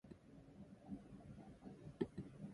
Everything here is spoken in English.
Don't be late.